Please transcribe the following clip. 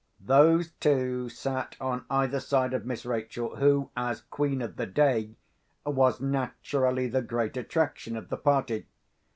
Those two sat on either side of Miss Rachel, who, as queen of the day, was naturally the great attraction of the party.